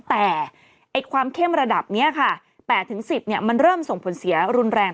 แต่ความเข้มระดับนี้ค่ะ๘๑๐มันเริ่มส่งผลเสียรุนแรง